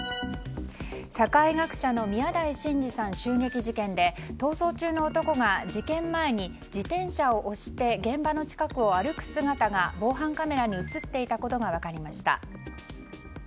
社会学者の宮台真司さん襲撃事件で逃走中の男が事件前に自転車を押して現場の近くを歩く姿が防犯カメラに映っていたことが分かりました。